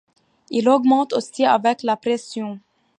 Il augmente aussi avec la pression.